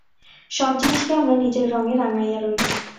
সব জিনিষকে আমরা নিজের রঙে রাঙাইয়া লই।